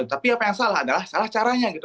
tapi apa yang salah adalah salah caranya gitu